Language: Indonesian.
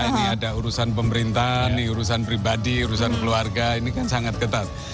ini ada urusan pemerintahan ini urusan pribadi urusan keluarga ini kan sangat ketat